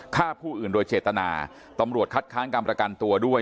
ฆ่าผู้อื่นโดยเจตนาตำรวจคัดค้างการประกันตัวด้วย